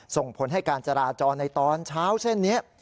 ส่งผลให้การจราจรในตอนเช้าเช่นนี้